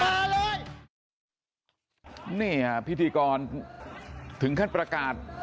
ไม่ต้องมาเลยเนี่ยการถึงขั้นประกาศ